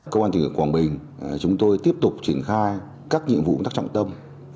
công an thị trường quảng bình chúng tôi tiếp tục triển khai các nhiệm vụ tác trọng tâm